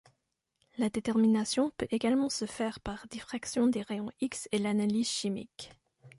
La détermination peut également se faire par diffraction des rayons X et l'analyse chimique.